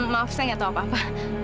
maaf saya gak tau apa apa